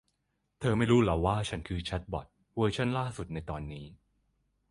เธอไม่รู้หรอว่าฉันคือแชทบอท เวอร์ชั่นล่าสุดในตอนนี้